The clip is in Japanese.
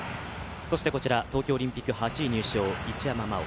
そしてこちら、東京オリンピック８位入賞、一山麻緒。